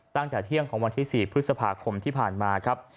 ตั้งแต่เที่ยงของวันที่๔พฤษภาคมที่ผ่านมาครับ